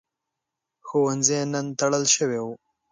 ښوونځی نن تړل شوی و.